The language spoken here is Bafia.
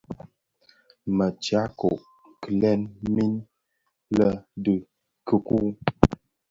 Më tyako kileň min lè di dhikuu.